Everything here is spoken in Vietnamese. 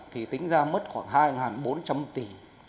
thì tính ra mất khoảng hai bốn trăm linh tỷ